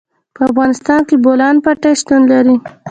په افغانستان کې د بولان پټي شتون لري.